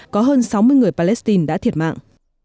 có hơn sáu mươi người palestine đã thiệt mạng